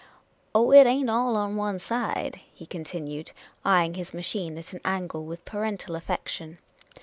Oh, it ain't all on one side," he continued, eying his machine at an angle with parental affection.